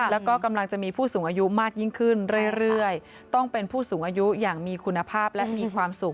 แล้วก็กำลังจะมีผู้สูงอายุมากยิ่งขึ้นเรื่อยต้องเป็นผู้สูงอายุอย่างมีคุณภาพและมีความสุข